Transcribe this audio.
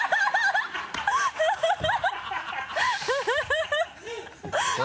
ハハハ